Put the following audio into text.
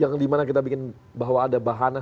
yang dimana kita bikin bahwa ada bahana